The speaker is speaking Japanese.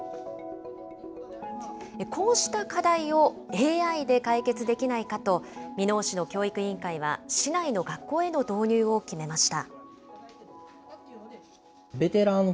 こうした課題をＡＩで解決できないかと、箕面市の教育委員会は市内の学校への導入を決めました。